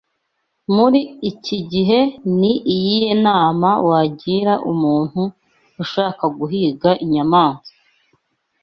Muri iki gihe ni iyihe nama wagira umuntu ushaka guhiga inyamaswa